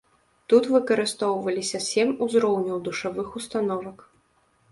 Тут выкарыстоўваліся сем узроўняў душавых установак.